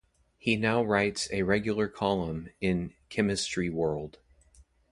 He now writes a regular column in "Chemistry World".